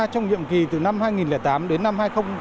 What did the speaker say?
trong nhiệm kỳ từ năm hai nghìn tám đến năm hai nghìn một mươi